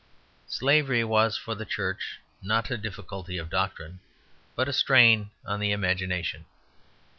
Slavery was for the Church not a difficulty of doctrine, but a strain on the imagination.